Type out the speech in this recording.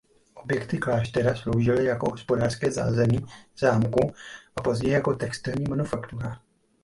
Objekty kláštera sloužili jako hospodářské zázemí zámku a později jako textilní manufaktura.